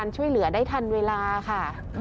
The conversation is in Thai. ช่วยเหลือได้ทันเวลาค่ะ